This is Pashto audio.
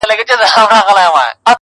د وصال سراب ته ګورم، پر هجران غزل لیکمه!